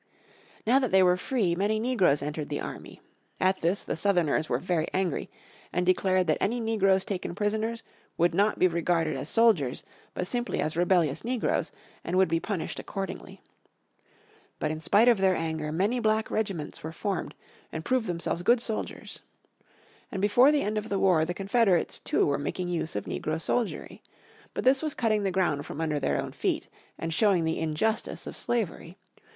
Now that they were free, many negroes entered the army. At this the Southerners were very angry, and declared that any negroes taken prisoners would not be regarded as soldiers, but simply as rebellious negroes, and would be punished accordingly. But in spite of their anger many black regiments were formed, and proved themselves good soldiers. And before the end of the war the Confederates, too, were making use of Negro Soldiery. But this was cutting the ground from under their own feet, and showing the injustice of slavery.